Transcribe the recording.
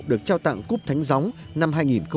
được trao tặng cúp thánh gióng năm hai nghìn một mươi chín